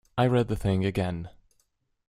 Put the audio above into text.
I read the thing again.